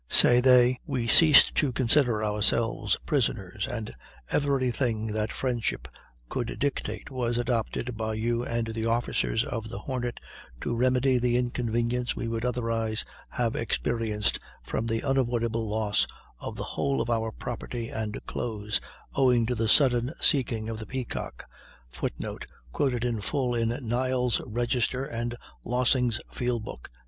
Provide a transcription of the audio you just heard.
Say they: "We ceased to consider ourselves prisoners; and every thing that friendship could dictate was adopted by you and the officers of the Hornet to remedy the inconvenience we would otherwise have experienced from the unavoidable loss of the whole of our property and clothes owing to the sudden sinking of the Peacock." [Footnote: Quoted in full in "Niles' Register" and Lossing's "Field Book."